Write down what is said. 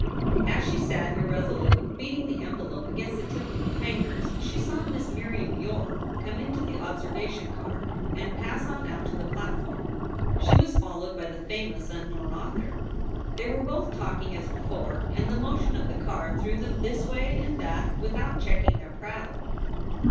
As she sat irresolute, beating the envelope against the tip of her fingers, she saw Miss Miriam Yore come into the observation car and pass on out to the platform. She was followed by the famous unknown author. They were both talking as before, and the motion of the car threw them this way and that without checking their prattle.